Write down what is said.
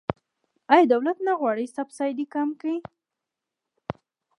آیا دولت نه غواړي سبسایډي کمه کړي؟